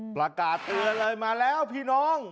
ประกาศเตือนเลยมาแล้วพี่น้อง